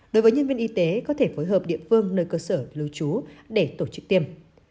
đối với nhân viên y tế có thể phối hợp địa phương nơi cơ sở lưu trú để tổ chức tiêm